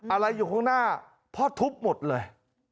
อะไรอยู่ข้างหน้าพ่อทุบหมดเลย